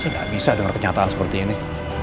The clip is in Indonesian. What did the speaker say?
saya gak bisa denger kenyataan seperti ini